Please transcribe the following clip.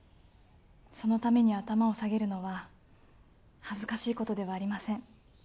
そのために頭を下げるのは恥ずかしいことではありません。